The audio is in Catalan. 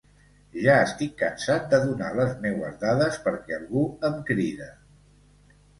“Ja estic cansat de donar les meues dades perquè algú em cride”.